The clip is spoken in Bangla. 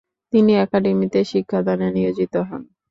তিনি একাডেমিতে শিক্ষাদানে নিয়োজিত হন।